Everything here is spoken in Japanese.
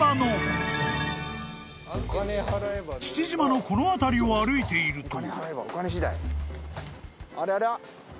［父島のこの辺りを歩いていると］